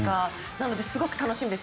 なので、すごく楽しみです。